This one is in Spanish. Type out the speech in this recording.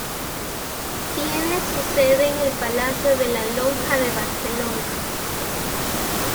Tiene su sede en el Palacio de la Lonja de Barcelona.